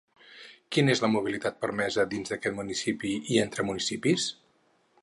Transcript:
Quina és la mobilitat permesa dins aquests municipis i entre municipis?